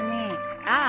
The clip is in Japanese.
ああ。